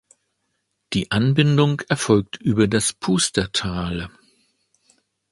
Die Anbindung erfolgt über das Pustertal.